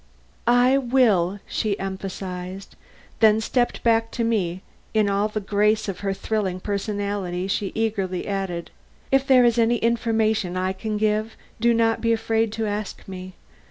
"I will," she emphasized. Then stepping back to me in all the grace of her thrilling personality, she eagerly added: "If there is any information I can give, do not be afraid to ask me.